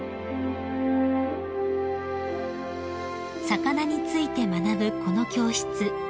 ［魚について学ぶこの教室］